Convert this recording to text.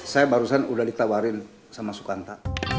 saya barusan udah ditawarin sama sukanta